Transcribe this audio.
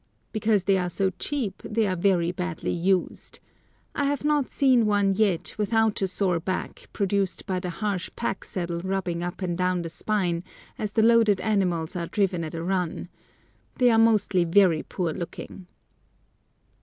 Because they are so cheap they are very badly used. I have not seen one yet without a sore back, produced by the harsh pack saddle rubbing up and down the spine, as the loaded animals are driven at a run. They are mostly very poor looking.